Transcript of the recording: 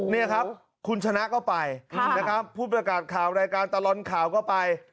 นี่ครับคุณชนะก็ไปพูดบริการข่าวตลอดข่าวก็ไป